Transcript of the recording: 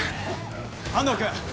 安藤君。